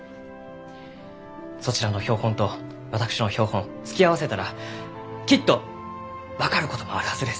そちらの標本と私の標本突き合わせたらきっと分かることもあるはずです。